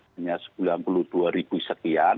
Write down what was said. hanya sembilan puluh dua ribu sekian